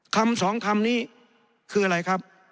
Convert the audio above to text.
คำสองคำนี้คืออะไรครับ